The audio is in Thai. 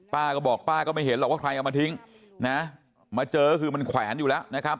ป้าก็บอกป้าก็ไม่เห็นหรอกว่าใครเอามาทิ้งนะมาเจอคือมันแขวนอยู่แล้วนะครับ